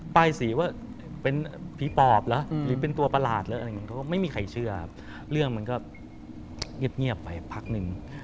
ปลายสีว่าเป็นผีปอบหรือเป็นตัวประหลาดไม่มีใครเชื่อเรื่องมันก็เงียบไปพักนึง